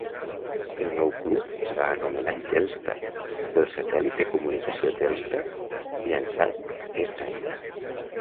El nou club es va anomenar Telstar, pel satèl·lit de comunicació Telstar llançat aquest any.